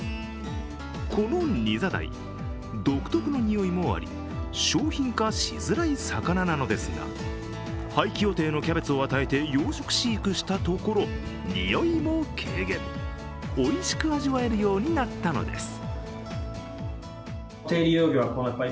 このニザダイ、独特のにおいもあり商品化しづらい魚なのですが廃棄予定のキャベツを与えて養殖飼育したところ、においも軽減、おいしく味わえるようになったのです。